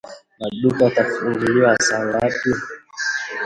Maduka yatafunguliwa saa ngapi?